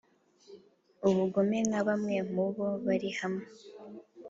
ubugome nka bamwe mu bo bari hamwe